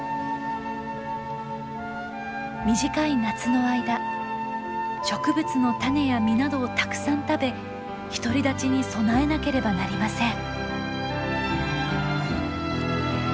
短い夏の間植物の種や実などをたくさん食べ独り立ちに備えなければなりません。